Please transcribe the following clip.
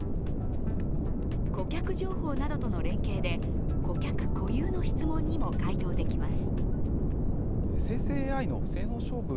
顧客情報などとの連携で顧客固有の質問にも回答できます。